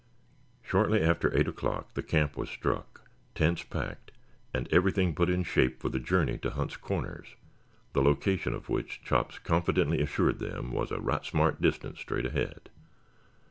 Shortly after eight o'clock the camp was struck, tents packed and everything put in shape for the journey to Hunt's Corners, the location of which Chops confidently assured them was a right smart distance straight ahead.